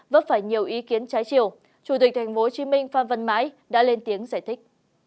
vấp phải nhiều ý kiến trái chiều chủ tịch tp hcm phan văn mãi đã lên tiếng giải thích